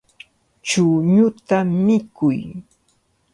Chuñuta mikuy.